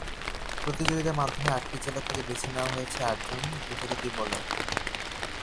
প্রতিযোগিতার মাধ্যমে আটটি জেলা থেকে বেছে নেওয়া হয়েছে আটজন দ্রুতগতির বোলার।